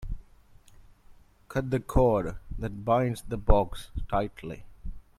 Cut the cord that binds the box tightly.